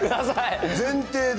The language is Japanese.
前提で。